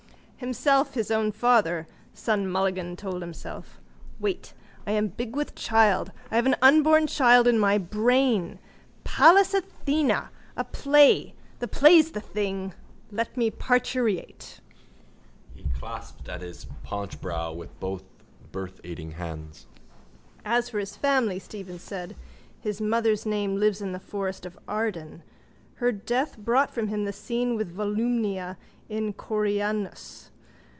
—Himself his own father, Sonmulligan told himself. Wait. I am big with child. I have an unborn child in my brain. Pallas Athena! A play! The play's the thing! Let me parturiate! He clasped his paunchbrow with both birthaiding hands. —As for his family, Stephen said, his mother's name lives in the forest of Arden. Her death brought from him the scene with Volumnia in _Coriolanus.